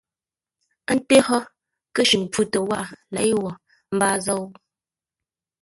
Ńté hó kə́shʉŋ pfutə́ wághʼə leʼé wo mbaa zou?